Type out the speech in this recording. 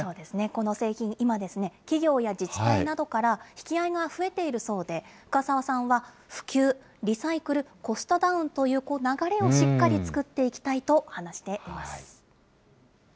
この製品、今、企業や自治体などから、引き合いが増えているそうで、深澤さんは、普及、リサイクル、コストダウンという流れをしっかり作っていきたいと話しています。